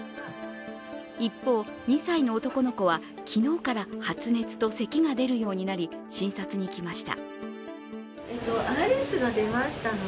一方、２歳の男の子は昨日から発熱とせきが出るようになり診察に来ました。